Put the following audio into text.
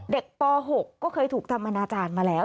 ป๖ก็เคยถูกทำอนาจารย์มาแล้ว